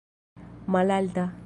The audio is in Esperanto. malalta